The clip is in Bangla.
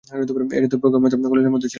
এ জাতীয় প্রজ্ঞা ও মেধা খালিদের মধ্যে ছিল।